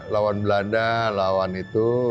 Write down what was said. lawan belanda lawan itu